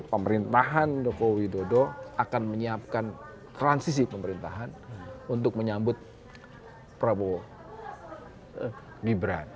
pemerintahan joko widodo akan menyiapkan transisi pemerintahan untuk menyambut prabowo gibran